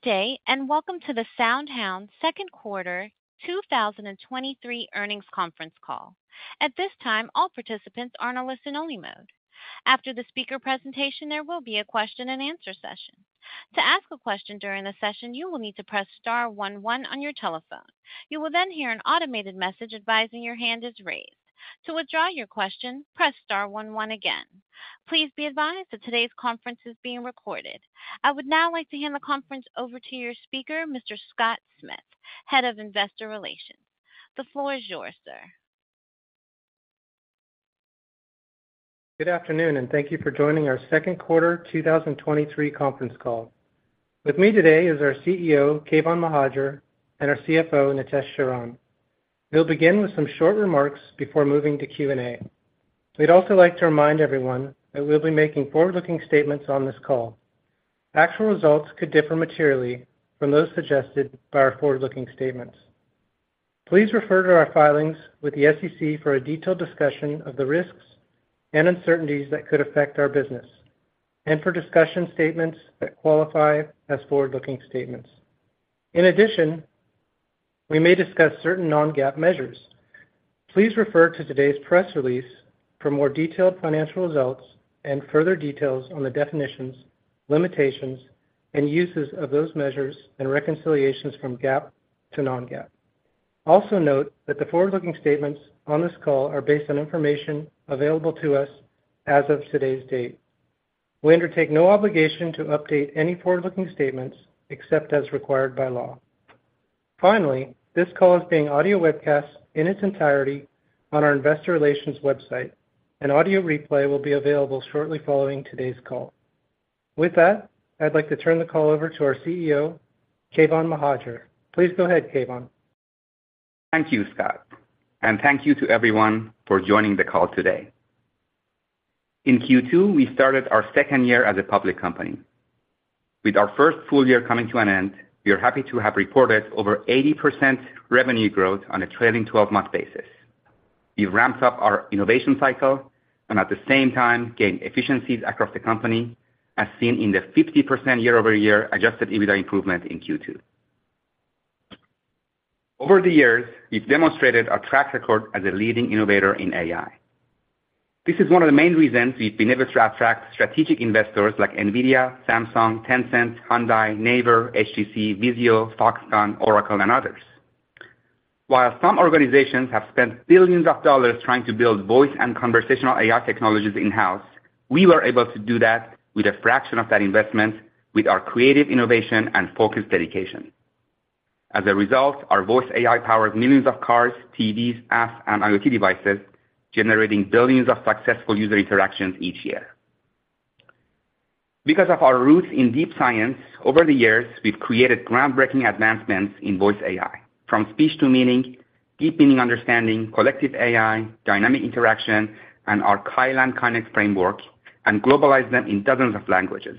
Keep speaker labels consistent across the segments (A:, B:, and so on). A: Good day, and welcome to the SoundHound Second Quarter 2023 Earnings Conference Call. At this time, all participants are in a listen-only mode. After the speaker presentation, there will be a question-and-answer session. To ask a question during the session, you will need to press star one one on your telephone. You will then hear an automated message advising your hand is raised. To withdraw your question, press star one one again. Please be advised that today's conference is being recorded. I would now like to hand the conference over to your speaker, Mr. Scott Smith, Head of Investor Relations. The floor is yours, sir.
B: Good afternoon, thank you for joining our 2Q 2023 conference call. With me today is our CEO, Keyvan Mohajer, and our CFO, Nitesh Sharan. We'll begin with some short remarks before moving to Q&A. We'd also like to remind everyone that we'll be making forward-looking statements on this call. Actual results could differ materially from those suggested by our forward-looking statements. Please refer to our filings with the SEC for a detailed discussion of the risks and uncertainties that could affect our business and for discussion statements that qualify as forward-looking statements. In addition, we may discuss certain non-GAAP measures. Please refer to today's press release for more detailed financial results and further details on the definitions, limitations, and uses of those measures and reconciliations from GAAP to non-GAAP. Also note that the forward-looking statements on this call are based on information available to us as of today's date. We undertake no obligation to update any forward-looking statements except as required by law. Finally, this call is being audio webcast in its entirety on our investor relations website, and audio replay will be available shortly following today's call. With that, I'd like to turn the call over to our CEO, Keyvan Mohajer. Please go ahead, Keyvan.
C: Thank you, Scott, and thank you to everyone for joining the call today. In Q2, we started our second year as a public company. With our first full year coming to an end, we are happy to have reported over 80% revenue growth on a trailing twelve-month basis. We've ramped up our innovation cycle and at the same time, gained efficiencies across the company, as seen in the 50% year-over-year Adjusted EBITDA improvement in Q2. Over the years, we've demonstrated our track record as a leading innovator in AI. This is one of the main reasons we've been able to attract strategic investors like NVIDIA, Samsung, Tencent, Hyundai, Naver, HTC, VIZIO, Foxconn, Oracle, and others. While some organizations have spent billions of dollars trying to build voice and conversational AI technologies in-house, we were able to do that with a fraction of that investment with our creative innovation and focused dedication. As a result, our voice AI powered millions of cars, TVs, apps, and IoT devices, generating billions of successful user interactions each year. Because of our roots in deep science, over the years, we've created groundbreaking advancements in voice AI, from Speech-to-Meaning, Deep Meaning Understanding, Collective AI, Dynamic Interaction, and our CaiLAN, CaiNET framework, and globalized them in dozens of languages.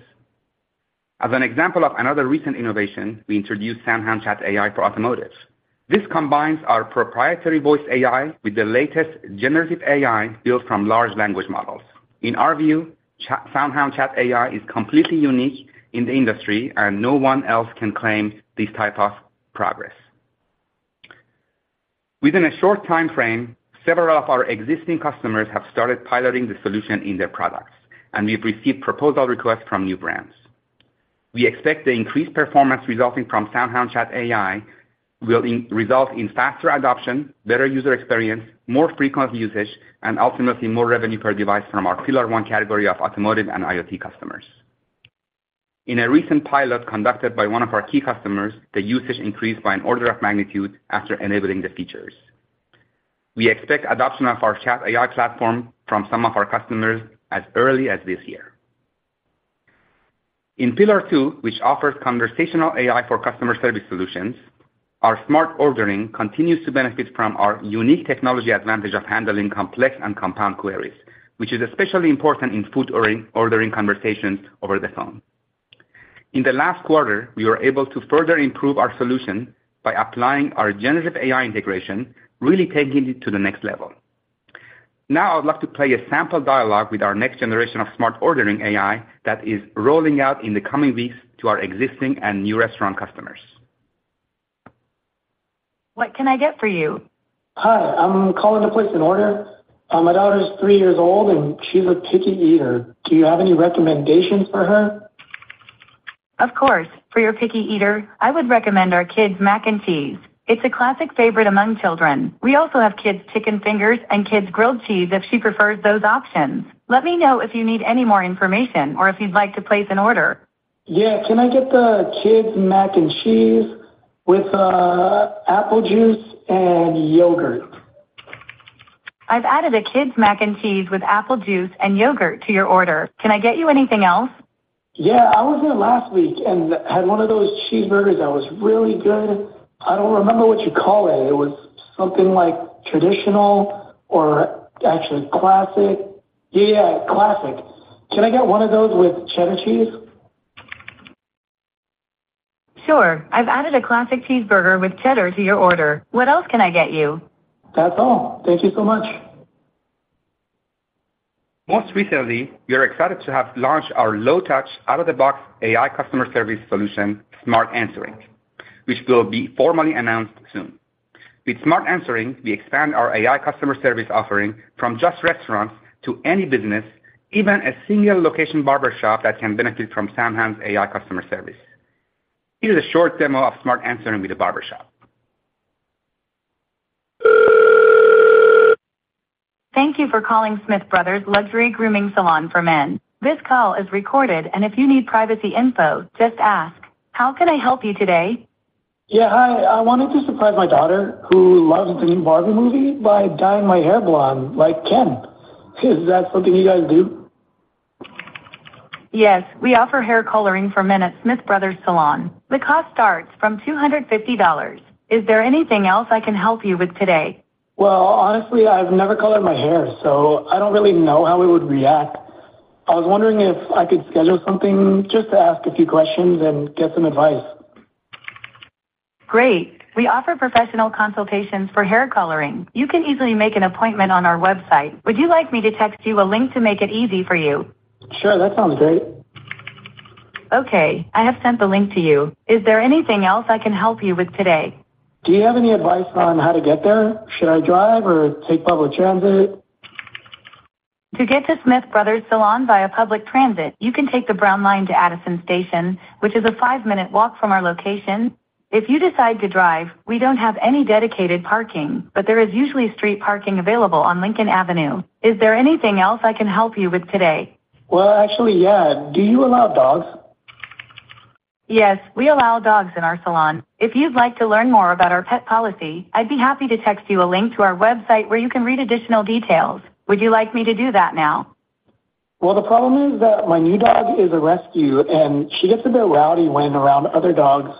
C: As an example of another recent innovation, we introduced SoundHound Chat AI for Automotive. This combines our proprietary voice AI with the latest generative AI built from large language models. In our view, SoundHound Chat AI is completely unique in the industry, no one else can claim this type of progress. Within a short timeframe, several of our existing customers have started piloting the solution in their products, and we've received proposal requests from new brands. We expect the increased performance resulting from SoundHound Chat AI will result in faster adoption, better user experience, more frequent usage, and ultimately, more revenue per device from our pillar one category of automotive and IoT customers. In a recent pilot conducted by one of our key customers, the usage increased by an order of magnitude after enabling the features. We expect adoption of our Chat AI platform from some of our customers as early as this year. In pillar two, which offers conversational AI for customer service solutions, our Smart Ordering continues to benefit from our unique technology advantage of handling complex and compound queries, which is especially important in food ordering, ordering conversations over the phone. In the last quarter, we were able to further improve our solution by applying our generative AI integration, really taking it to the next level. Now, I'd love to play a sample dialogue with our next generation of Smart Ordering AI that is rolling out in the coming weeks to our existing and new restaurant customers.
D: What can I get for you? Hi, I'm calling to place an order. My daughter's three years old, and she's a picky eater. Do you have any recommendations for her? Of course. For your picky eater, I would recommend our kids' mac and cheese. It's a classic favorite among children. We also have kids' chicken fingers and kids' grilled cheese if she prefers those options. Let me know if you need any more information or if you'd like to place an order. Yeah. Can I get the kids mac and cheese with apple juice and yogurt? I've added a kids mac and cheese with apple juice and yogurt to your order. Can I get you anything else? Yeah, I was there last week and had one of those cheeseburgers that was really good. I don't remember what you call it. It was something like traditional or actually classic. Yeah, yeah, classic. Can I get one of those with cheddar cheese? Sure. I've added a classic cheeseburger with cheddar to your order. What else can I get you? That's all. Thank you so much!
C: Most recently, we are excited to have launched our low touch, out-of-the-box AI customer service solution, Smart Answering, which will be formally announced soon. With Smart Answering, we expand our AI customer service offering from just restaurants to any business, even a single location barber shop that can benefit from SoundHound's AI customer service. Here's a short demo of Smart Answering with a barber shop.
D: Thank you for calling Smith Brothers Luxury Grooming Salon for Men. This call is recorded. If you need privacy info, just ask. How can I help you today? Yeah. Hi, I wanted to surprise my daughter, who loves the new Barbie movie, by dyeing my hair blonde like Ken. Is that something you guys do? Yes, we offer hair coloring for men at Smith Brothers Salon. The cost starts from $250. Is there anything else I can help you with today? Well, honestly, I've never colored my hair, so I don't really know how it would react. I was wondering if I could schedule something just to ask a few questions and get some advice. Great. We offer professional consultations for hair coloring. You can easily make an appointment on our website. Would you like me to text you a link to make it easy for you? Sure, that sounds great. Okay, I have sent the link to you. Is there anything else I can help you with today? Do you have any advice on how to get there? Should I drive or take public transit? To get to Smith Brothers Salon via public transit, you can take the brown line to Addison Station, which is a five-minute walk from our location. If you decide to drive, we don't have any dedicated parking, but there is usually street parking available on Lincoln Avenue. Is there anything else I can help you with today? Well, actually, yeah. Do you allow dogs? Yes, we allow dogs in our salon. If you'd like to learn more about our pet policy, I'd be happy to text you a link to our website where you can read additional details. Would you like me to do that now? Well, the problem is that my new dog is a rescue, and she gets a bit rowdy when around other dogs.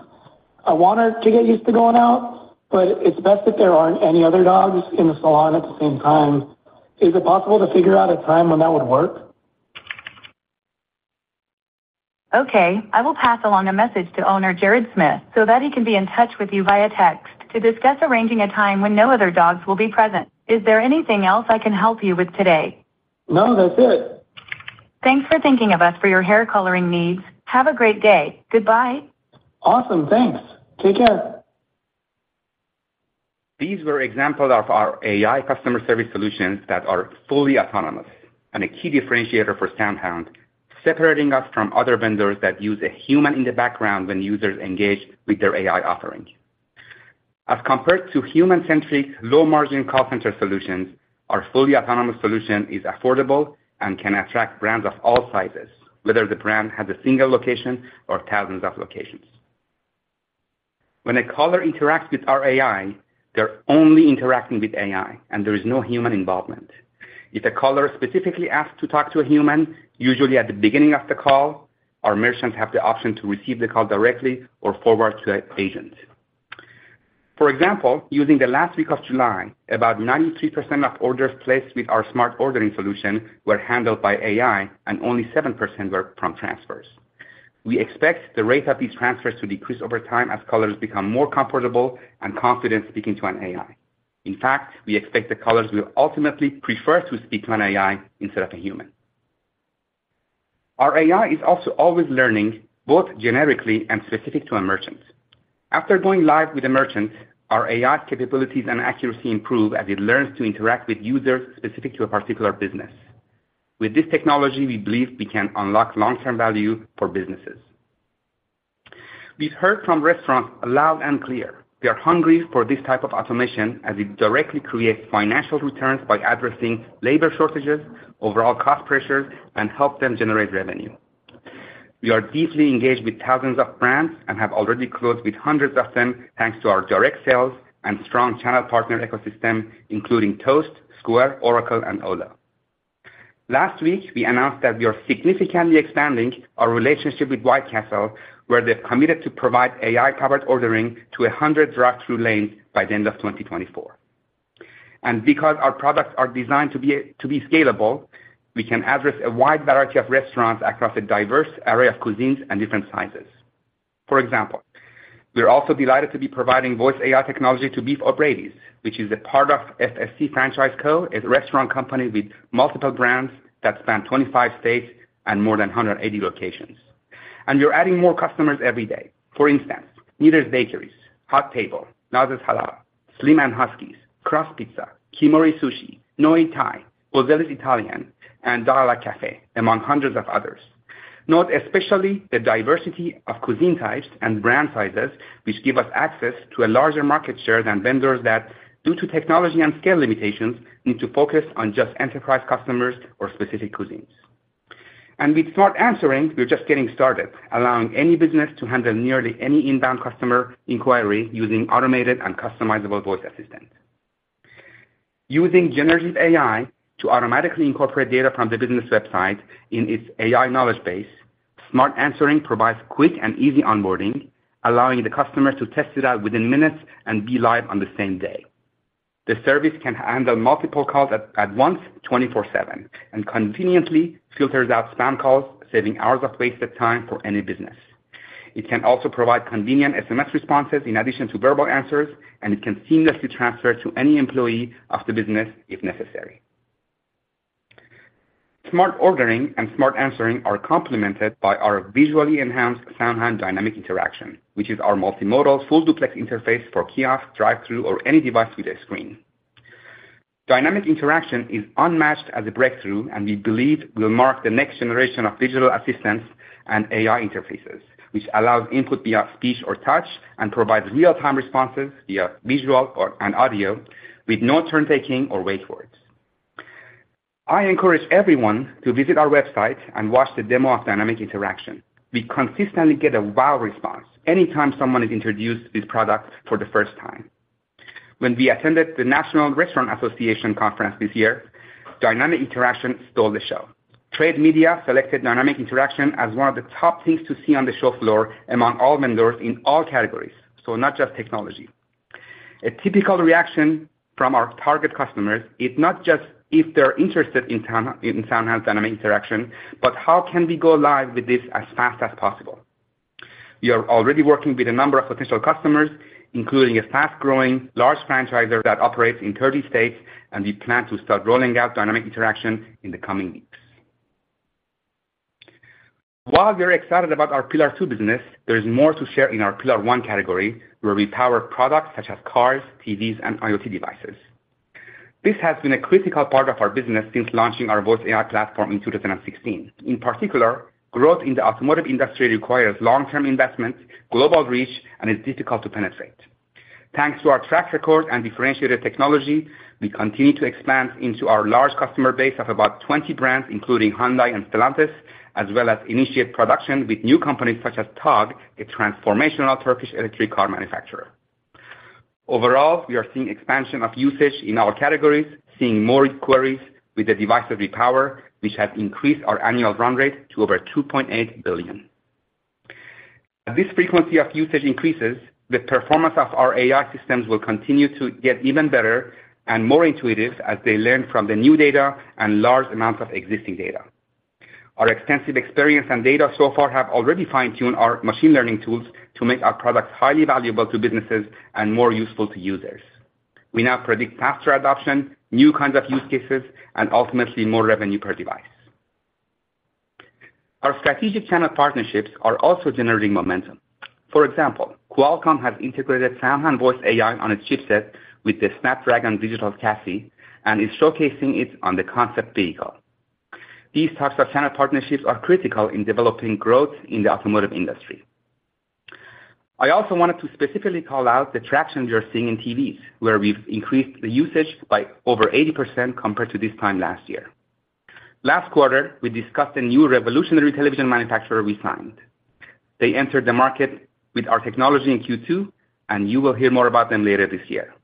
D: I want her to get used to going out, but it's best if there aren't any other dogs in the salon at the same time. Is it possible to figure out a time when that would work? Okay, I will pass along a message to owner, Jared Smith, so that he can be in touch with you via text to discuss arranging a time when no other dogs will be present. Is there anything else I can help you with today? No, that's it. Thanks for thinking of us for your hair coloring needs. Have a great day. Goodbye. Awesome. Thanks. Take care.
C: These were examples of our AI customer service solutions that are fully autonomous and a key differentiator for SoundHound, separating us from other vendors that use a human in the background when users engage with their AI offering. As compared to human-centric, low-margin call center solutions, our fully autonomous solution is affordable and can attract brands of all sizes, whether the brand has a single location or thousands of locations. When a caller interacts with our AI, they're only interacting with AI, and there is no human involvement. If a caller specifically asks to talk to a human, usually at the beginning of the call, our merchants have the option to receive the call directly or forward to an agent. For example, using the last week of July, about 93% of orders placed with our Smart Ordering solution were handled by AI and only 7% were from transfers. We expect the rate of these transfers to decrease over time as callers become more comfortable and confident speaking to an AI. In fact, we expect the callers will ultimately prefer to speak to an AI instead of a human. Our AI is also always learning, both generically and specific to a merchant. After going live with a merchant, our AI capabilities and accuracy improve as it learns to interact with users specific to a particular business. With this technology, we believe we can unlock long-term value for businesses. We've heard from restaurants loud and clear. They are hungry for this type of automation as it directly creates financial returns by addressing labor shortages, overall cost pressures, and help them generate revenue. We are deeply engaged with thousands of brands and have already closed with hundreds of them, thanks to our direct sales and strong channel partner ecosystem, including Toast, Square, Oracle, and Olo. Last week, we announced that we are significantly expanding our relationship with White Castle, where they've committed to provide AI-covered ordering to 100 drive-through lanes by the end of 2024. Because our products are designed to be scalable, we can address a wide variety of restaurants across a diverse array of cuisines and different sizes. For example, we are also delighted to be providing voice AI technology to Beef 'O' Brady's, which is a part of FSC Franchise Co., a restaurant company with multiple brands that span 25 states and more than 180 locations. We're adding more customers every day. For instance, Kneaders Bakeries, Hot Table, Naz's Halal, Slim & Husky's, Crust Pizza, Komori Sushi, Noi Thai, Bocelli's Italian, and Dialog Cafe, among hundreds of others. Note especially the diversity of cuisine types and brand sizes, which give us access to a larger market share than vendors that, due to technology and scale limitations, need to focus on just enterprise customers or specific cuisines. With Smart Answering, we're just getting started, allowing any business to handle nearly any inbound customer inquiry using automated and customizable voice assistant. Using generative AI to automatically incorporate data from the business website in its AI knowledge base, Smart Answering provides quick and easy onboarding, allowing the customer to test it out within minutes and be live on the same day. The service can handle multiple calls at once, 24/7, and conveniently filters out spam calls, saving hours of wasted time for any business. It can also provide convenient SMS responses in addition to verbal answers, and it can seamlessly transfer to any employee of the business if necessary. Smart Ordering and Smart Answering are complemented by our visually enhanced SoundHound Dynamic Interaction, which is our multimodal, full-duplex interface for kiosk, drive-through, or any device with a screen. Dynamic Interaction is unmatched as a breakthrough, and we believe will mark the next generation of digital assistants and AI interfaces, which allows input via speech or touch and provides real-time responses via visual or, and audio, with no turn-taking or wait words. I encourage everyone to visit our website and watch the demo of Dynamic Interaction. We consistently get a wow response anytime someone is introduced to this product for the first time. When we attended the National Restaurant Association Show this year, Dynamic Interaction stole the show. Trade media selected Dynamic Interaction as one of the top things to see on the show floor among all vendors in all categories, so not just technology. A typical reaction from our target customers is not just if they're interested in SoundHound Dynamic Interaction, but how can we go live with this as fast as possible? We are already working with a number of potential customers, including a fast-growing, large franchisor that operates in 30 states, and we plan to start rolling out Dynamic Interaction in the coming weeks. While we are excited about our Pillar Two business, there is more to share in our Pillar One category, where we power products such as cars, TVs, and IoT devices. This has been a critical part of our business since launching our Voice AI platform in 2016. In particular, growth in the automotive industry requires long-term investment, global reach, and is difficult to penetrate. Thanks to our track record and differentiated technology, we continue to expand into our large customer base of about 20 brands, including Hyundai and Stellantis, as well as initiate production with new companies such as Togg, a transformational Turkish electric car manufacturer. Overall, we are seeing expansion of usage in all categories, seeing more inquiries with the devices we power, which has increased our annual run rate to over $2.8 billion. As this frequency of usage increases, the performance of our AI systems will continue to get even better and more intuitive as they learn from the new data and large amounts of existing data. Our extensive experience and data so far have already fine-tuned our machine learning tools to make our products highly valuable to businesses and more useful to users. We now predict faster adoption, new kinds of use cases, and ultimately, more revenue per device. Our strategic channel partnerships are also generating momentum. For example, Qualcomm has integrated SoundHound Voice AI on its chipset with the Snapdragon Digital Chassis and is showcasing it on the concept vehicle. These types of channel partnerships are critical in developing growth in the automotive industry. I also wanted to specifically call out the traction we are seeing in TVs, where we've increased the usage by over 80% compared to this time last year. Last quarter, we discussed a new revolutionary television manufacturer we signed. They entered the market with our technology in Q2, and you will hear more about them later this year.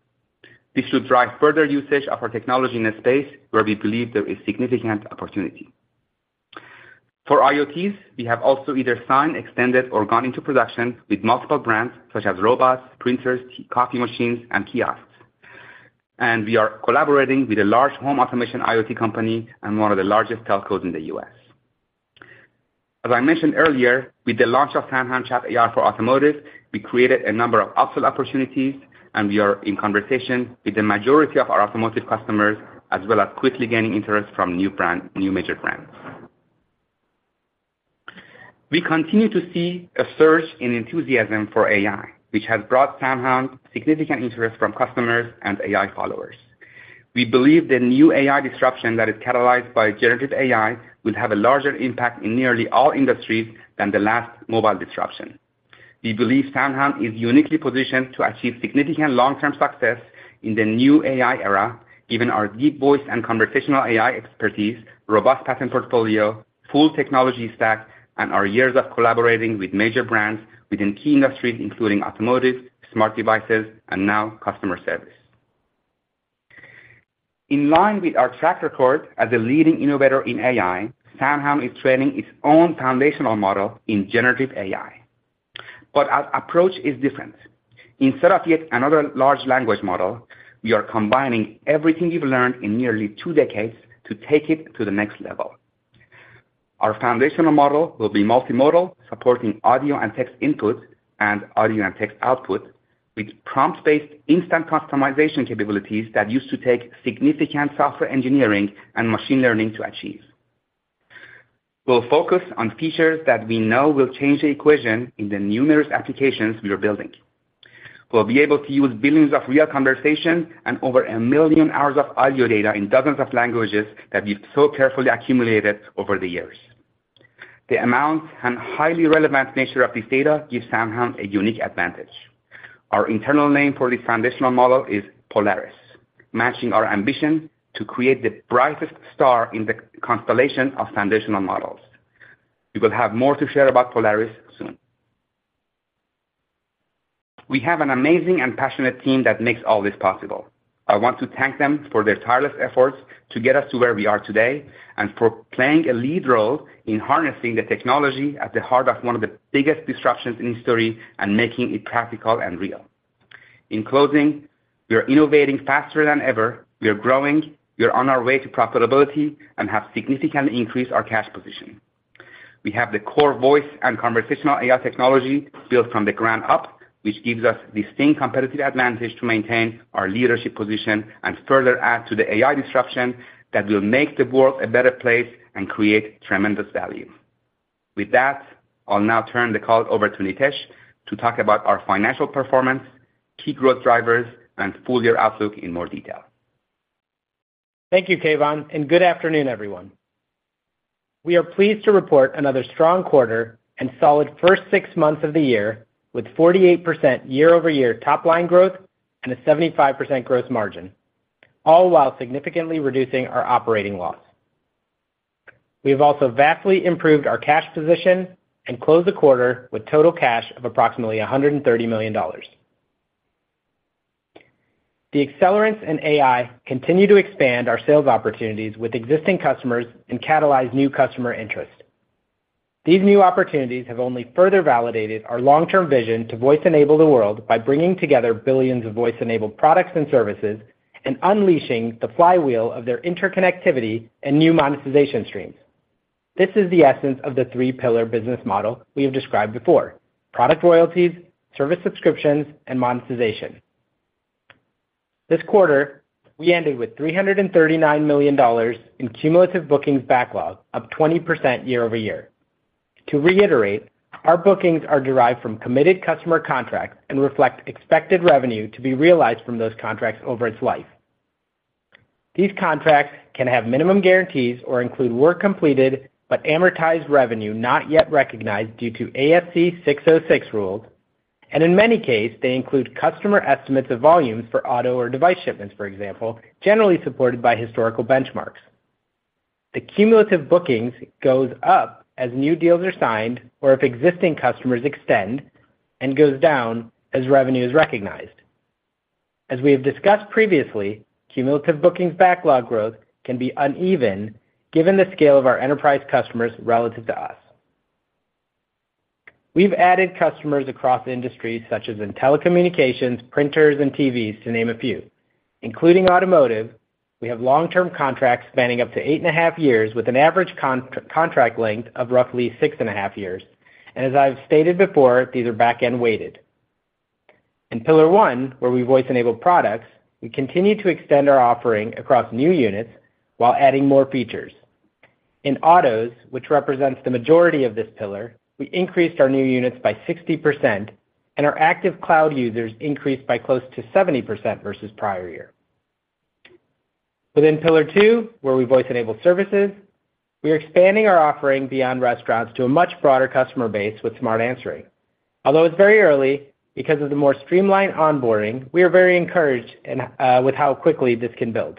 C: For IoTs, we have also either signed, extended, or gone into production with multiple brands such as robots, printers, coffee machines, and kiosks. We are collaborating with a large home automation IoT company and one of the largest telcos in the US. As I mentioned earlier, with the launch of SoundHound Chat AI for automotive, we created a number of upsell opportunities, and we are in conversation with the majority of our automotive customers, as well as quickly gaining interest from new brand-- new major brands. We continue to see a surge in enthusiasm for AI, which has brought SoundHound significant interest from customers and AI followers. We believe the new AI disruption that is catalyzed by generative AI will have a larger impact in nearly all industries than the last mobile disruption. We believe SoundHound is uniquely positioned to achieve significant long-term success in the new AI era, given our deep voice and conversational AI expertise, robust patent portfolio, full technology stack, and our years of collaborating with major brands within key industries, including automotive, smart devices, and now customer service. In line with our track record as a leading innovator in AI, SoundHound is training its own foundational model in generative AI. Our approach is different. Instead of yet another large language model, we are combining everything we've learned in nearly two decades to take it to the next level. Our foundational model will be multimodal, supporting audio and text input, and audio and text output, with prompt-based instant customization capabilities that used to take significant software engineering and machine learning to achieve. We'll focus on features that we know will change the equation in the numerous applications we are building. We'll be able to use billions of real conversations and over a million hours of audio data in dozens of languages that we've so carefully accumulated over the years. The amount and highly relevant nature of this data gives SoundHound a unique advantage. Our internal name for this foundational model is Polaris, matching our ambition to create the brightest star in the constellation of foundational models. We will have more to share about Polaris soon. We have an amazing and passionate team that makes all this possible. I want to thank them for their tireless efforts to get us to where we are today and for playing a lead role in harnessing the technology at the heart of one of the biggest disruptions in history and making it practical and real. In closing, we are innovating faster than ever, we are growing, we are on our way to profitability, and have significantly increased our cash position. We have the core voice and conversational AI technology built from the ground up, which gives us distinct competitive advantage to maintain our leadership position and further add to the AI disruption that will make the world a better place and create tremendous value. With that, I'll now turn the call over to Nitesh to talk about our financial performance, key growth drivers, and full year outlook in more detail.
E: Thank you, Keyvan, and good afternoon, everyone. We are pleased to report another strong quarter and solid first six months of the year, with 48% year-over-year top-line growth and a 75% growth margin, all while significantly reducing our operating loss. We have also vastly improved our cash position and closed the quarter with total cash of approximately $130 million. The accelerants in AI continue to expand our sales opportunities with existing customers and catalyze new customer interest. These new opportunities have only further validated our long-term vision to voice-enable the world by bringing together billions of voice-enabled products and services, and unleashing the flywheel of their interconnectivity and new monetization streams. This is the essence of the three-pillar business model we have described before: Product Royalties, Service Subscriptions, and Monetization. This quarter, we ended with $339 million in cumulative bookings backlog, up 20% year-over-year. To reiterate, our bookings are derived from committed customer contracts and reflect expected revenue to be realized from those contracts over its life. These contracts can have minimum guarantees or include work completed, but amortized revenue not yet recognized due to ASC 606 rules, and in many case, they include customer estimates of volumes for auto or device shipments, for example, generally supported by historical benchmarks. The cumulative bookings goes up as new deals are signed or if existing customers extend, goes down as revenue is recognized. As we have discussed previously, cumulative bookings backlog growth can be uneven, given the scale of our enterprise customers relative to us. We've added customers across industries such as in telecommunications, printers, and TVs, to name a few. Including automotive, we have long-term contracts spanning up to 8.5 years, with an average contract length of roughly 6.5 years. As I've stated before, these are back-end weighted. In pillar one, where we voice-enable products, we continue to extend our offering across new units while adding more features. In autos, which represents the majority of this pillar, we increased our new units by 60%, and our active cloud users increased by close to 70% versus prior year. Within pillar two, where we voice-enable services, we are expanding our offering beyond restaurants to a much broader customer base with Smart Answering. Although it's very early, because of the more streamlined onboarding, we are very encouraged in with how quickly this can build.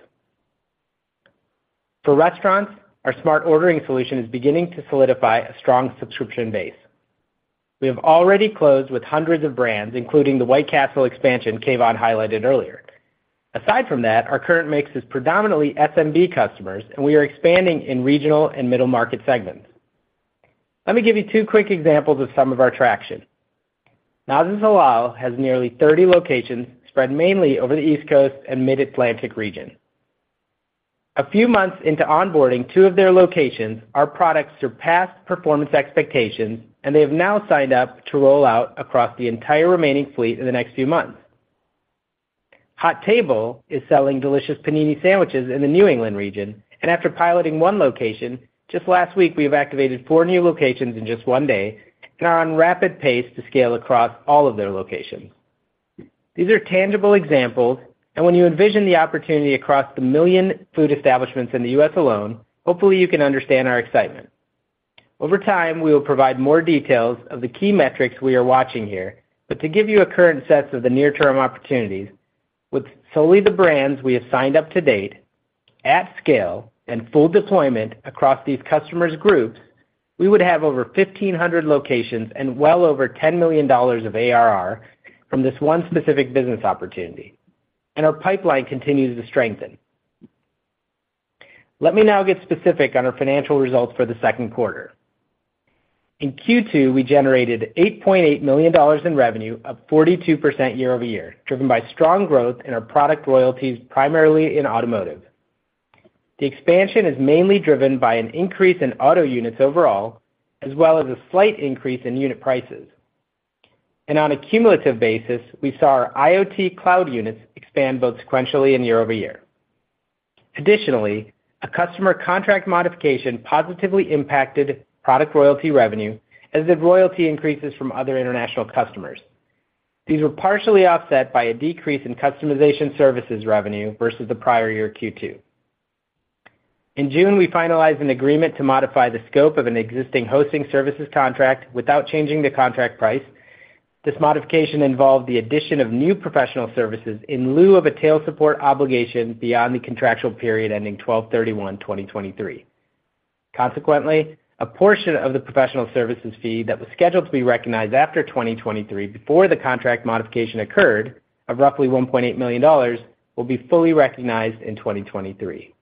E: For restaurants, our Smart Ordering solution is beginning to solidify a strong subscription base. We have already closed with hundreds of brands, including the White Castle expansion Keyvan highlighted earlier. Aside from that, our current mix is predominantly SMB customers, and we are expanding in regional and middle market segments. Let me give you two quick examples of some of our traction. Naz's Halal has nearly 30 locations spread mainly over the East Coast and Mid-Atlantic region. A few months into onboarding two of their locations, our products surpassed performance expectations, and they have now signed up to roll out across the entire remaining fleet in the next few months. Hot Table is selling delicious panini sandwiches in the New England region, and after piloting one location, just last week, we have activated four new locations in just one day and are on rapid pace to scale across all of their locations. These are tangible examples. When you envision the opportunity across the 1 million food establishments in the U.S. alone, hopefully, you can understand our excitement. Over time, we will provide more details of the key metrics we are watching here. To give you a current sense of the near-term opportunities, with solely the brands we have signed up to date, at scale and full deployment across these customers groups, we would have over 1,500 locations and well over $10 million of ARR from this one specific business opportunity. Our pipeline continues to strengthen. Let me now get specific on our financial results for the second quarter. In Q2, we generated $8.8 million in revenue, up 42% year-over-year, driven by strong growth in our Product Royalties, primarily in automotive. The expansion is mainly driven by an increase in auto units overall, as well as a slight increase in unit prices. On a cumulative basis, we saw our IoT cloud units expand both sequentially and year-over-year. Additionally, a customer contract modification positively impacted Product Royalty revenue, as did royalty increases from other international customers. These were partially offset by a decrease in customization services revenue versus the prior year Q2. In June, we finalized an agreement to modify the scope of an existing hosting services contract without changing the contract price. This modification involved the addition of new professional services in lieu of a tail support obligation beyond the contractual period ending 12/31/2023. Consequently, a portion of the professional services fee that was scheduled to be recognized after 2023 before the contract modification occurred, of roughly $1.8 million, will be fully recognized in 2023.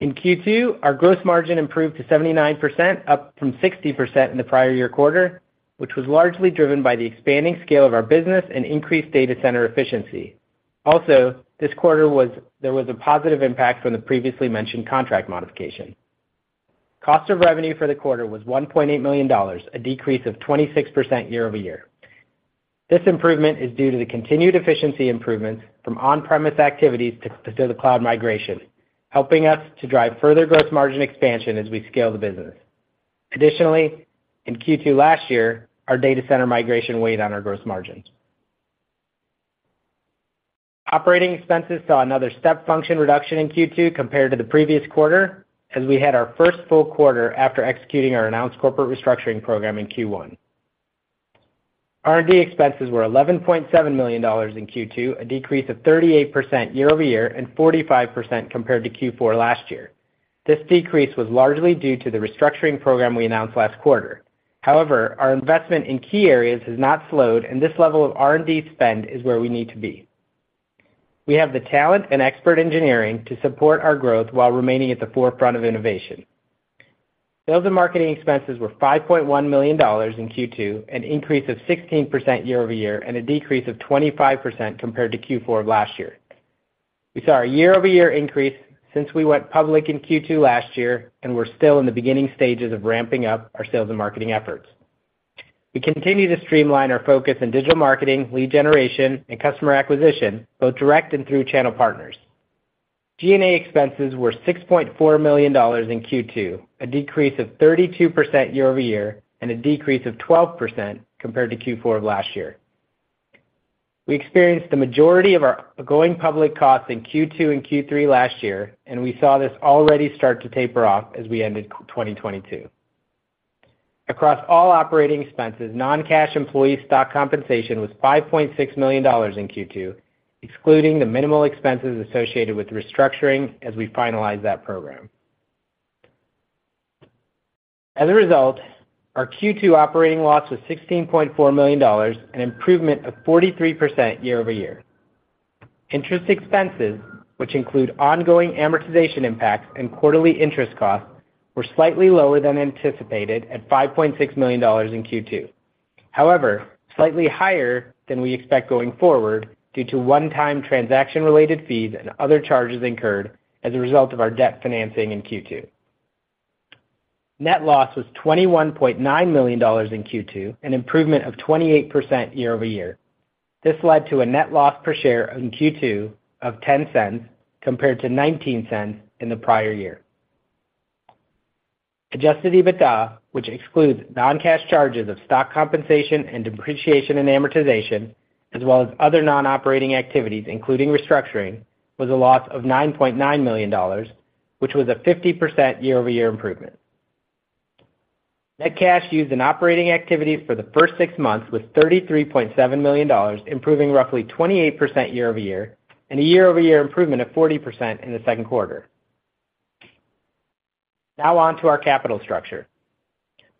E: In Q2, our gross margin improved to 79%, up from 60% in the prior year quarter, which was largely driven by the expanding scale of our business and increased data center efficiency. Also, this quarter there was a positive impact from the previously mentioned contract modification. Cost of revenue for the quarter was $1.8 million, a decrease of 26% year-over-year. This improvement is due to the continued efficiency improvements from on-premise activities to the cloud migration, helping us to drive further gross margin expansion as we scale the business. Additionally, in Q2 last year, our data center migration weighed on our gross margins. Operating expenses saw another step function reduction in Q2 compared to the previous quarter, as we had our first full quarter after executing our announced corporate restructuring program in Q1. R&D expenses were $11.7 million in Q2, a decrease of 38% year-over-year and 45% compared to Q4 last year. This decrease was largely due to the restructuring program we announced last quarter. However, our investment in key areas has not slowed, and this level of R&D spend is where we need to be. We have the talent and expert engineering to support our growth while remaining at the forefront of innovation. Sales and marketing expenses were $5.1 million in Q2, an increase of 16% year-over-year, and a decrease of 25% compared to Q4 of last year. We saw a year-over-year increase since we went public in Q2 last year. We're still in the beginning stages of ramping up our sales and marketing efforts. We continue to streamline our focus in digital marketing, lead generation, and customer acquisition, both direct and through channel partners. G&A expenses were $6.4 million in Q2, a decrease of 32% year-over-year, a decrease of 12% compared to Q4 of last year. We experienced the majority of our going public costs in Q2 and Q3 last year. We saw this already start to taper off as we ended 2022. Across all operating expenses, non-cash employee stock compensation was $5.6 million in Q2, excluding the minimal expenses associated with restructuring as we finalized that program. As a result, our Q2 operating loss was $16.4 million, an improvement of 43% year-over-year. Interest expenses, which include ongoing amortization impacts and quarterly interest costs, were slightly lower than anticipated at $5.6 million in Q2. However, slightly higher than we expect going forward, due to one-time transaction-related fees and other charges incurred as a result of our debt financing in Q2. Net loss was $21.9 million in Q2, an improvement of 28% year-over-year. This led to a net loss per share in Q2 of $0.10, compared to $0.19 in the prior year. Adjusted EBITDA, which excludes non-cash charges of stock compensation and depreciation and amortization, as well as other non-operating activities, including restructuring, was a loss of $9.9 million, which was a 50% year-over-year improvement. Net cash used in operating activities for the first six months was $33.7 million, improving roughly 28% year-over-year, and a year-over-year improvement of 40% in the second quarter. On to our capital structure.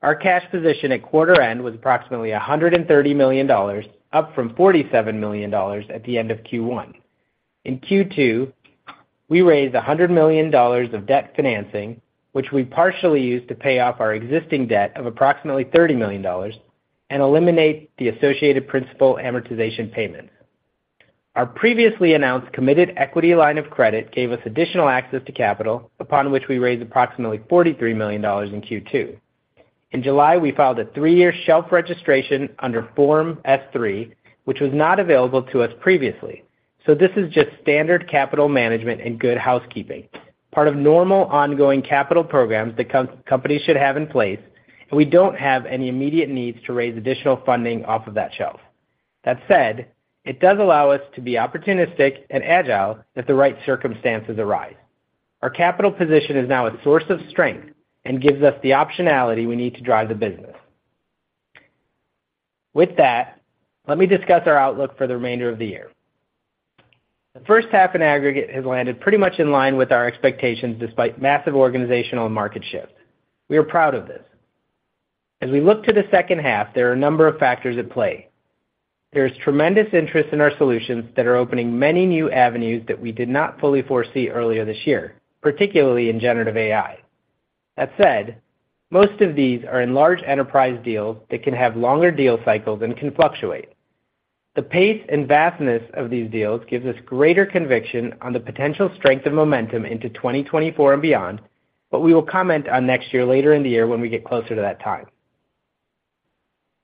E: Our cash position at quarter end was approximately $130 million, up from $47 million at the end of Q1. In Q2, we raised $100 million of debt financing, which we partially used to pay off our existing debt of approximately $30 million and eliminate the associated principal amortization payments. Our previously announced committed equity line of credit gave us additional access to capital, upon which we raised approximately $43 million in Q2. In July, we filed a three-year shelf registration under Form S-3, which was not available to us previously. This is just standard capital management and good housekeeping, part of normal ongoing capital programs that companies should have in place, and we don't have any immediate needs to raise additional funding off of that shelf. That said, it does allow us to be opportunistic and agile if the right circumstances arise. Our capital position is now a source of strength and gives us the optionality we need to drive the business. With that, let me discuss our outlook for the remainder of the year. The first half in aggregate has landed pretty much in line with our expectations, despite massive organizational and market shifts. We are proud of this. As we look to the second half, there are a number of factors at play. There is tremendous interest in our solutions that are opening many new avenues that we did not fully foresee earlier this year, particularly in generative AI. That said, most of these are in large enterprise deals that can have longer deal cycles and can fluctuate. The pace and vastness of these deals gives us greater conviction on the potential strength and momentum into 2024 and beyond, but we will comment on next year later in the year when we get closer to that time.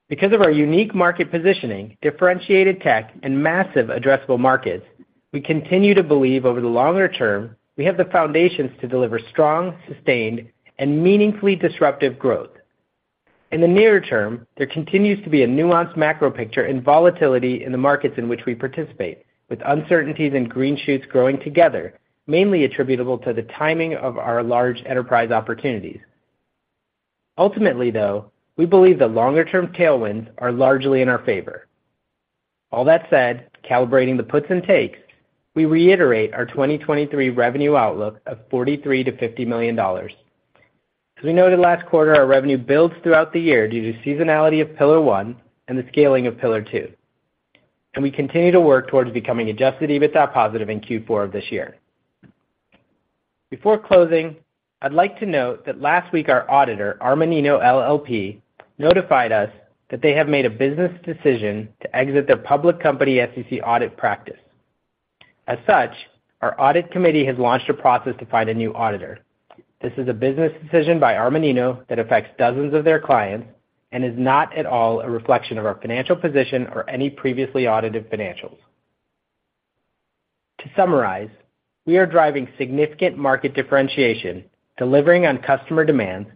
E: Because of our unique market positioning, differentiated tech, and massive addressable markets, we continue to believe over the longer term, we have the foundations to deliver strong, sustained, and meaningfully disruptive growth. In the nearer term, there continues to be a nuanced macro picture and volatility in the markets in which we participate, with uncertainties and green shoots growing together, mainly attributable to the timing of our large enterprise opportunities. Ultimately, though, we believe the longer-term tailwinds are largely in our favor. All that said, calibrating the puts and takes, we reiterate our 2023 revenue outlook of $43 million-$50 million. As we noted last quarter, our revenue builds throughout the year due to seasonality of pillar one and the scaling of pillar two. We continue to work towards becoming Adjusted EBITDA positive in Q4 of this year. Before closing, I'd like to note that last week our auditor, Armanino LLP, notified us that they have made a business decision to exit their public company SEC audit practice. As such, our audit committee has launched a process to find a new auditor. This is a business decision by Armanino that affects dozens of their clients and is not at all a reflection of our financial position or any previously audited financials. To summarize, we are driving significant market differentiation, delivering on customer demands,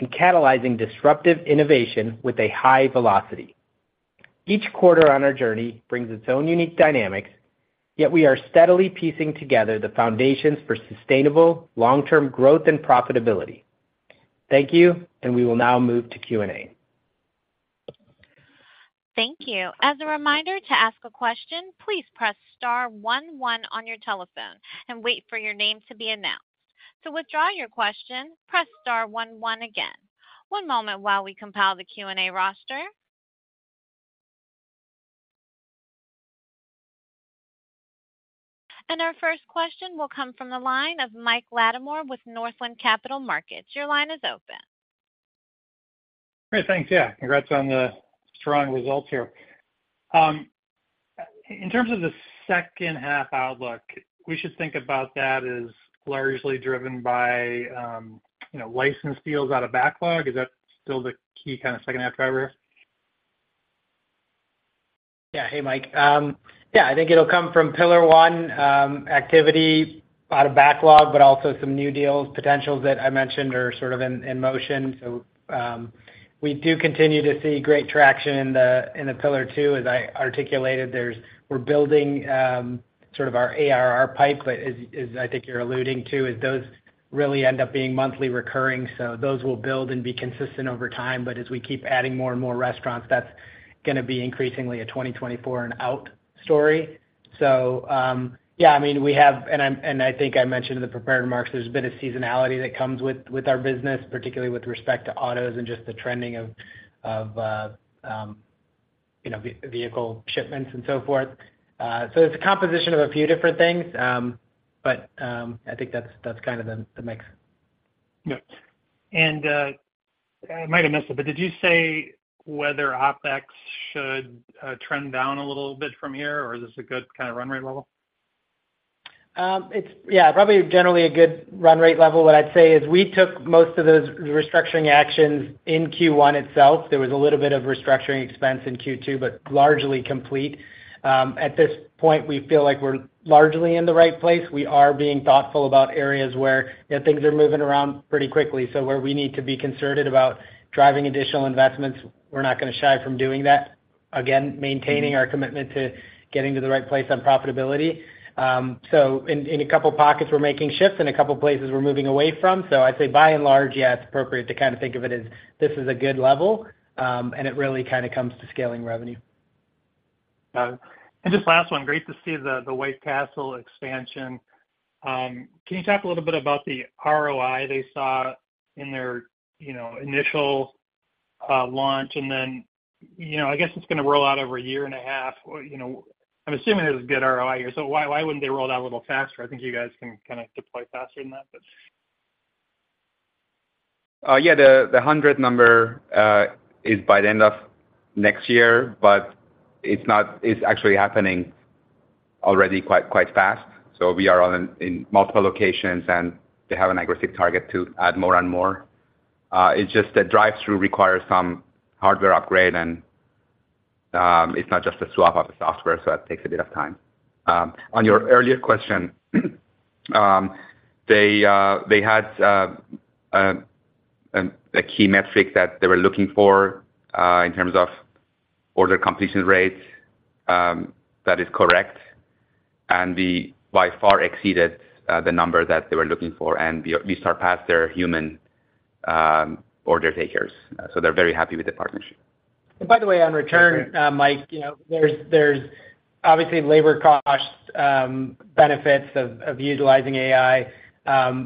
E: and catalyzing disruptive innovation with a high velocity. Each quarter on our journey brings its own unique dynamics, yet we are steadily piecing together the foundations for sustainable long-term growth and profitability. Thank you, we will now move to Q&A.
A: Thank you. As a reminder to ask a question, please press star one, one on your telephone and wait for your name to be announced. To withdraw your question, press star one, one again. One moment while we compile the Q&A roster. Our first question will come from the line of Mike Latimore with Northland Capital Markets. Your line is open.
F: Great, thanks. Yeah, congrats on the strong results here. In terms of the second half outlook, we should think about that as largely driven by, you know, license deals out of backlog. Is that still the key kind of second half driver?
E: Yeah. Hey, Mike. Yeah, I think it'll come from pillar one, activity out of backlog, but also some new deals, potentials that I mentioned are sort of in, in motion. We do continue to see great traction in the, in the pillar two, as I articulated. There's we're building, sort of our ARR pipe, but as I think you're alluding to, is those really end up being monthly recurring, so those will build and be consistent over time. As we keep adding more and more restaurants, that's gonna be increasingly a 2024 and out story. Yeah, I mean, we have... I, and I think I mentioned in the prepared remarks, there's a bit of seasonality that comes with, with our business, particularly with respect to autos and just the trending of, of, you know, vehicle shipments and so forth. It's a composition of a few different things, but I think that's, that's kind of the, the mix.
F: Yeah. I might have missed it, but did you say whether OpEx should trend down a little bit from here, or is this a good kind of run rate level?
E: Yeah, probably generally a good run rate level. What I'd say is we took most of those restructuring actions in Q1 itself. There was a little bit of restructuring expense in Q2, but largely complete. At this point, we feel like we're largely in the right place. We are being thoughtful about areas where, you know, things are moving around pretty quickly. So where we need to be concerted about driving additional investments, we're not gonna shy from doing that. Again, maintaining our commitment to getting to the right place on profitability. So in, in a couple of pockets, we're making shifts, in a couple of places we're moving away from. So I'd say by and large, yeah, it's appropriate to kind of think of it as this is a good level, and it really kind of comes to scaling revenue.
F: Got it. Just last one. Great to see the, the White Castle expansion. Can you talk a little bit about the ROI they saw in their, you know, initial, launch? Then, you know, I guess it's gonna roll out over a year and a half. Well, you know, I'm assuming this is a good ROI here, so why, why wouldn't they roll it out a little faster? I think you guys can kind of deploy faster than that, but.
C: Yeah, the, the 100 number is by the end of next year, but it's not-- it's actually happening already quite, quite fast. We are all in, in multiple locations, and they have an aggressive target to add more and more. It's just the drive-through requires some hardware upgrade and it's not just a swap of the software, so that takes a bit of time. On your earlier question, they had a key metric that they were looking for in terms of order completion rates. That is correct. We by far exceeded the number that they were looking for, and we, we surpassed their human order takers. They're very happy with the partnership.
E: By the way, on return, Mike, you know, there's, there's obviously labor costs, benefits of utilizing AI.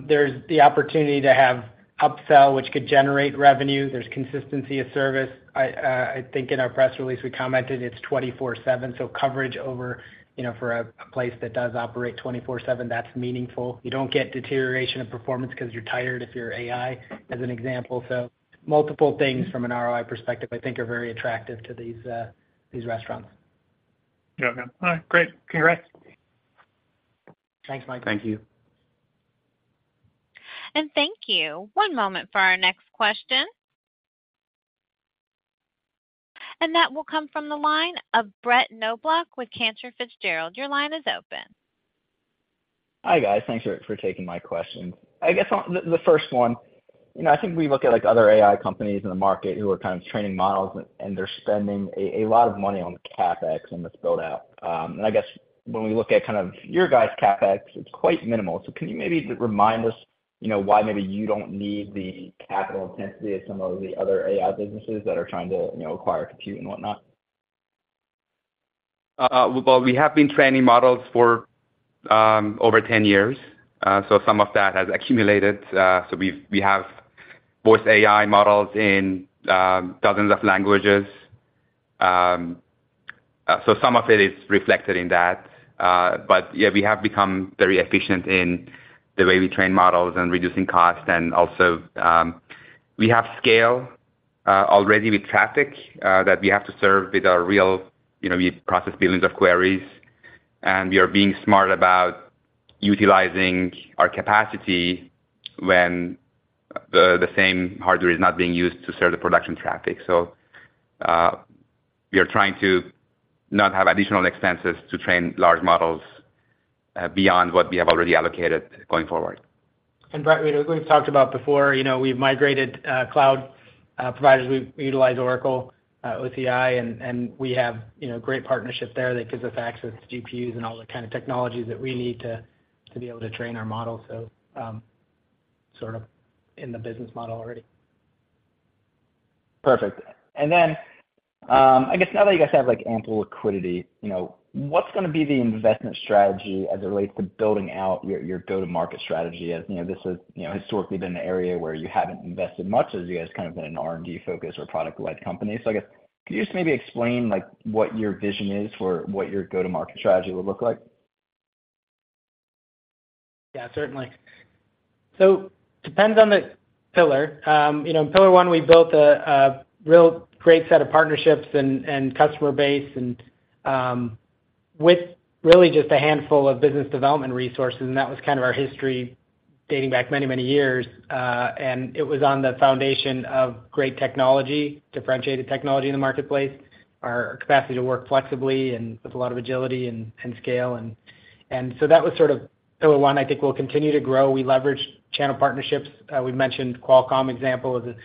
E: There's the opportunity to have upsell, which could generate revenue. There's consistency of service. I think in our press release, we commented it's 24/7, so coverage over, you know, for a place that does operate 24/7, that's meaningful. You don't get deterioration of performance because you're tired if you're AI, as an example. Multiple things from an ROI perspective, I think are very attractive to these restaurants.
F: Yeah, yeah. All right, great. Congrats.
E: Thanks, Mike.
C: Thank you.
A: Thank you. One moment for our next question. That will come from the line of Brett Knoblauch with Cantor Fitzgerald. Your line is open.
G: Hi, guys. Thanks for taking my questions. I guess on the first one, you know, I think we look at like other AI companies in the market who are kind of training models, and they're spending a lot of money on CapEx on this build-out. I guess when we look at kind of your guys' CapEx, it's quite minimal. Can you maybe remind us, you know, why maybe you don't need the capital intensity of some of the other AI businesses that are trying to, you know, acquire, compute, and whatnot?
C: Well, we have been training models for over 10 years. Some of that has accumulated. We have voice AI models in dozens of languages. Some of it is reflected in that. Yeah, we have become very efficient in the way we train models and reducing costs. Also, we have scale already with traffic that we have to serve with our real, you know, we process billions of queries, and we are being smart about utilizing our capacity when the same hardware is not being used to serve the production traffic. We are trying to not have additional expenses to train large models beyond what we have already allocated going forward.
E: Brett, we, we've talked about before, you know, we've migrated cloud providers. We've utilized Oracle OCI, and, and we have, you know, great partnership there that gives us access to GPUs and all the kind of technologies that we need to, to be able to train our models. sort of in the business model already.
G: Perfect. I guess now that you guys have, like, ample liquidity, you know, what's gonna be the investment strategy as it relates to building out your, your go-to-market strategy? As you know, this has, you know, historically been an area where you haven't invested much, as you guys kind of been an R&D focus or product-led company. Can you just maybe explain, like, what your vision is for what your go-to-market strategy would look like?
E: Yeah, certainly. Depends on the pillar. you know, in pillar one, we built a, a real great set of partnerships and, and customer base, and, with really just a handful of business development resources, and that was kind of our history dating back many, many years. It was on the foundation of great technology, differentiated technology in the marketplace, our capacity to work flexibly and with a lot of agility and scale. that was sort of pillar one. I think we'll continue to grow. We leveraged channel partnerships. we've mentioned Qualcomm example as a,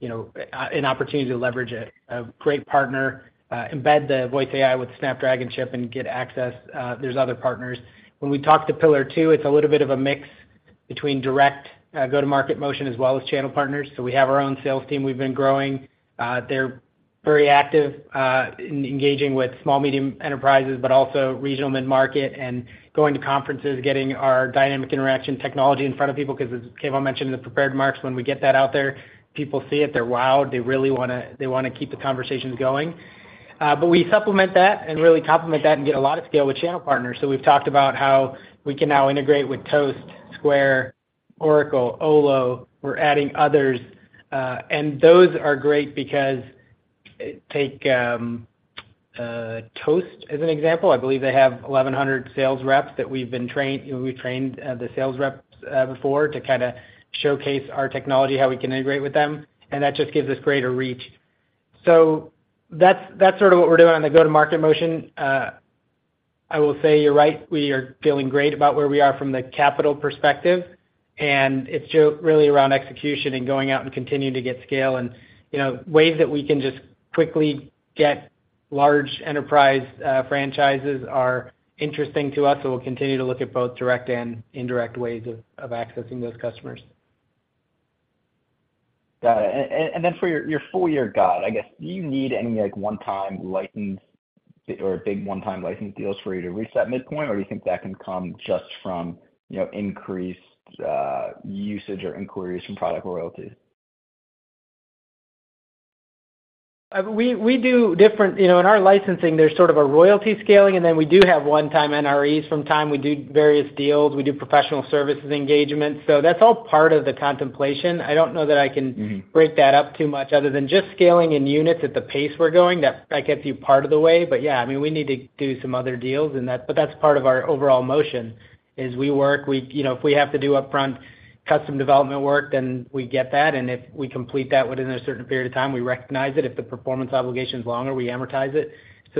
E: you know, an opportunity to leverage a, a great partner, embed the voice AI with Snapdragon chip and get access. there's other partners. When we talk to pillar two, it's a little bit of a mix between direct, go-to-market motion as well as channel partners. We have our own sales team we've been growing. They're very active in engaging with small, medium enterprises, but also regional mid-market and going to conferences, getting our Dynamic Interaction technology in front of people, because as Keyvan mentioned in the prepared marks, when we get that out there, people see it, they're wowed, they really wanna keep the conversations going. We supplement that and really complement that and get a lot of scale with channel partners. We've talked about how we can now integrate with Toast, Square, Oracle, Olo, we're adding others. And those are great because, take, Toast as an example. I believe they have 1,100 sales reps that we've been trained, we've trained the sales reps before to kinda showcase our technology, how we can integrate with them, and that just gives us greater reach. So that's, that's sort of what we're doing on the go-to-market motion. I will say you're right, we are feeling great about where we are from the capital perspective, and it's just really around execution and going out and continuing to get scale. And, you know, ways that we can just quickly get large enterprise franchises are interesting to us, so we'll continue to look at both direct and indirect ways of, of accessing those customers.
G: Got it. Then for your, your full year guide, I guess, do you need any, like, one-time license or big one-time license deals for you to reset midpoint, or do you think that can come just from, you know, increased usage or inquiries from Product Royalties?
E: We do, you know, in our licensing, there's sort of a royalty scaling, and then we do have one-time NREs from time. We do various deals, we do professional services engagements. That's all part of the contemplation. I don't know that I can-
G: Mm-hmm.
E: break that up too much other than just scaling in units at the pace we're going, that, like, gets you part of the way. Yeah, I mean, we need to do some other deals, and that's part of our overall motion, is we work... We, you know, if we have to do upfront custom development work, then we get that, and if we complete that within a certain period of time, we recognize it. If the performance obligation is longer, we amortize it.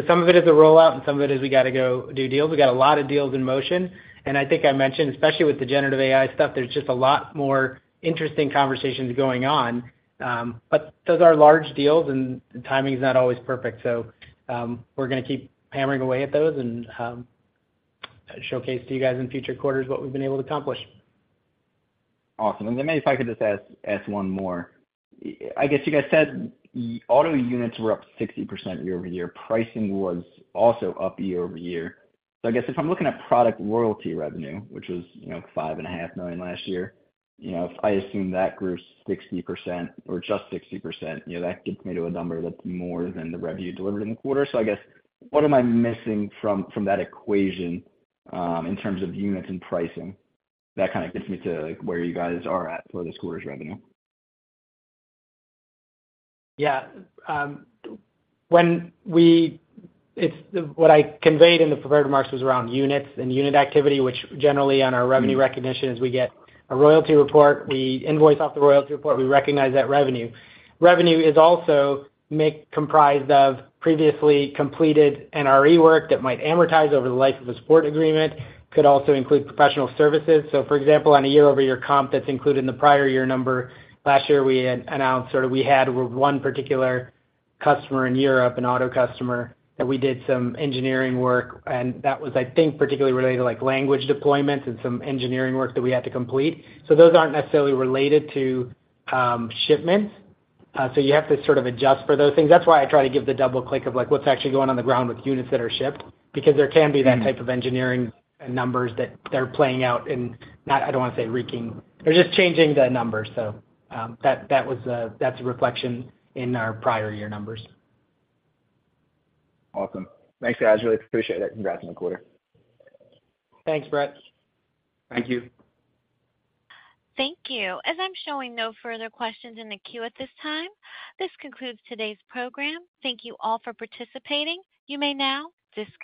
E: Some of it is a rollout, and some of it is we gotta go do deals. We've got a lot of deals in motion, and I think I mentioned, especially with the generative AI stuff, there's just a lot more interesting conversations going on. Those are large deals, and the timing is not always perfect. We're gonna keep hammering away at those and showcase to you guys in future quarters what we've been able to accomplish.
G: Awesome. Then maybe if I could just ask, ask one more. I guess you guys said auto units were up 60% year-over-year. Pricing was also up year-over-year. I guess if I'm looking at Product Royalty revenue, which was, you know, $5.5 million last year, you know, if I assume that grew 60% or just 60%, you know, that gets me to a number that's more than the revenue delivered in the quarter. I guess, what am I missing from, from that equation, in terms of units and pricing? That kind of gets me to, like, where you guys are at for this quarter's revenue.
E: Yeah, what I conveyed in the prepared remarks was around units and unit activity, which generally on our revenue recognition, is we get a royalty report, we invoice off the royalty report, we recognize that revenue. Revenue is also comprised of previously completed NRE work that might amortize over the life of a support agreement, could also include professional services. For example, on a year-over-year comp, that's included in the prior year number. Last year, we had announced, sort of we had one particular customer in Europe, an auto customer, that we did some engineering work, and that was, I think, particularly related to, like, language deployments and some engineering work that we had to complete. Those aren't necessarily related to shipments. You have to sort of adjust for those things. That's why I try to give the double click of, like, what's actually going on the ground with units that are shipped, because there can be that type.
G: Mm.
E: -of engineering and numbers that, that are playing out and not, I don't wanna say wreaking. They're just changing the numbers. That, that was a-- that's a reflection in our prior year numbers.
G: Awesome. Thanks, guys. Really appreciate it. Congrats on the quarter.
E: Thanks, Brett.
G: Thank you.
A: Thank you. As I'm showing no further questions in the queue at this time, this concludes today's program. Thank you all for participating. You may now disconnect.